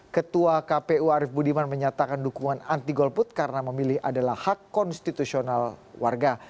ketua kpu arief budiman menyatakan dukungan anti golput karena memilih adalah hak konstitusional warga